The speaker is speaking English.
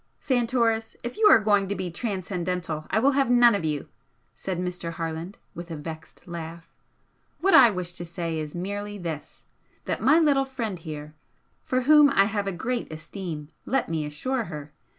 "Santoris, if you are going to be 'transcendental' I will have none of you!" said Mr. Harland, with a vexed laugh "What I wish to say is merely this that my little friend here, for whom I have a great esteem, let me assure her!